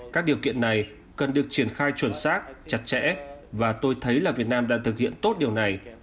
các điều kiện này cần được triển khai chuẩn xác chặt chẽ và tôi thấy là việt nam đã thực hiện tốt điều này